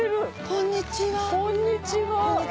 こんにちは。